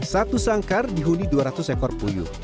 satu sangkar dihuni dua ratus ekor puyuh